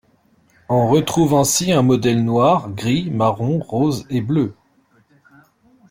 On retrouve ainsi un modèle noir, gris, marron, rose et bleu.